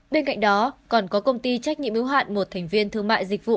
bên cạnh đó còn có công ty trách nhiệm yếu hạn một thành viên thương mại dịch vụ